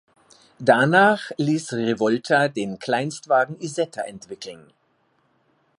Danach ließ Rivolta den Kleinstwagen Isetta entwickeln.